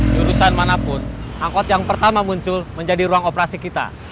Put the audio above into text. jurusan manapun angkot yang pertama muncul menjadi ruang operasi kita